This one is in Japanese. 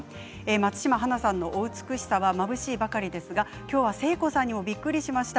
松島花さんのお美しさはまぶしいばかりですが今日は誠子さんにはびっくりしました。